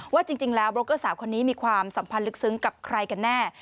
ว่าจริงแล้วโบรกเกอร์สาวคนนี้มีความสัมพันธ์ลึกซึ้งกับใครกันแน่